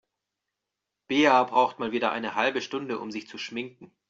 Bea braucht mal wieder eine halbe Stunde, um sich zu schminken.